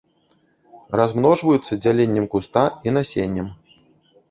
Размножваюцца дзяленнем куста і насеннем.